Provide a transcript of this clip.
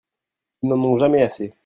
Ils n'en ont jamais assez.